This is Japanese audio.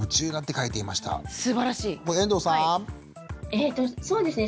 えっとそうですね